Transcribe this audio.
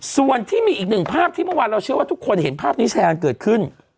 ส่วนที่มีอีกหนึ่งภาพที่เมื่อวานเราเชื่อว่าทุกคนเห็นภาพนี้แชร์กันเกิดขึ้น